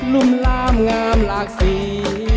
ลุมลามงามหลากซี